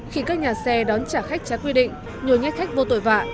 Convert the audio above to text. khi các nhà xe đón trả khách trái quy định nhồi nhét khách vô tội vạ